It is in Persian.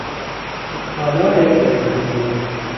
تالار گردهمایی